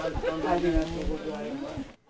ありがとうございます。